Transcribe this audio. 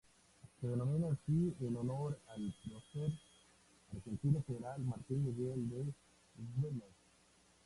Se denomina así en honor al prócer argentino General Martín Miguel de Güemes.